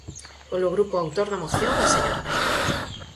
Polo grupo autor da moción, a señora Daira.